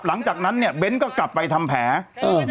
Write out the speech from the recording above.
หลังจากนั้นเนี่ยเบ้นก็กลับไปทำแผลเออ